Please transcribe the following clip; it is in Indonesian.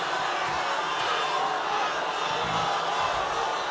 tidak saya minta keberadaan